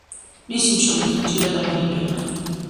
მისი მშობლებიც ნიჭიერი ადამიანები იყვნენ.